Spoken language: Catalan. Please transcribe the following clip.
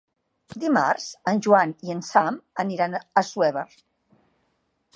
Dimarts en Joan i en Sam aniran a Assuévar.